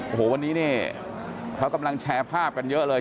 โอ้โหวันนี้เนี่ยเขากำลังแชร์ภาพกันเยอะเลย